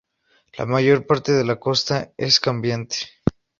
La mayor parte de la costa es cambiante.